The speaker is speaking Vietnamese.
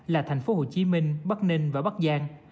là tp hcm bắc ninh và bắc giang